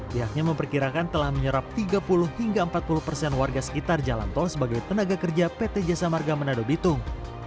pihaknya memperkirakan telah menyerap tiga puluh hingga empat puluh persen warga sekitar jalan tol sebagai tenaga kerja pt jasa marga menado bitung